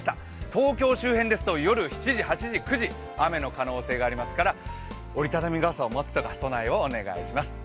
東京周辺ですと夜７時、８時、９時、雨の可能性がありますから、折り畳み傘などの備えをお願いします。